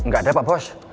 gak ada pak bos